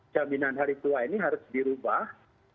jaminan hari tua ini harus di rubah